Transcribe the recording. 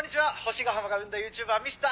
星ヶ浜が生んだＹｏｕＴｕｂｅｒＭｒ．